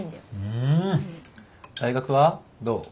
うん！大学はどう？